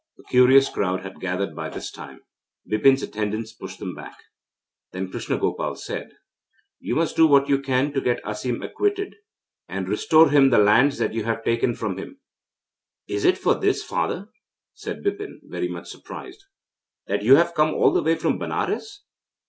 A curious crowd had gathered by this time. Bipin's attendants pushed them back. Then Krishna Gopal said: 'You must do what you can to get Asim acquitted, and restore him the lands that you have taken away from him.' 'Is it for this, father,' said Bipin, very much surprised, 'that you have come all the way from Benares?